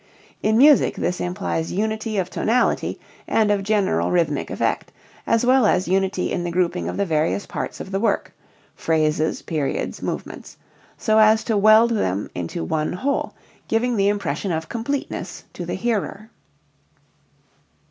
In music this implies unity of tonality and of general rhythmic effect, as well as unity in the grouping of the various parts of the work (phrases, periods, movements) so as to weld them into one whole, giving the impression of completeness to the hearer.